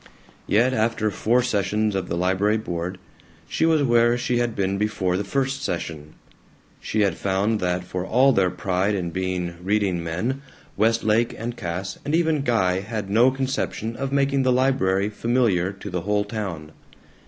Yet after four sessions of the library board she was where she had been before the first session. She had found that for all their pride in being reading men, Westlake and Cass and even Guy had no conception of making the library familiar to the whole town.